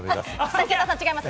武田さん、違います。